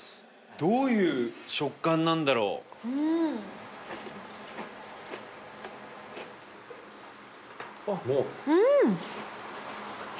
どういう食感なんだろうおっうん！